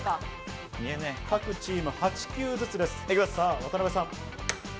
各チーム８球ずつです。